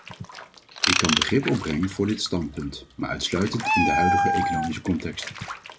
Ik kan begrip opbrengen voor dit standpunt, maar uitsluitend in de huidige economische context.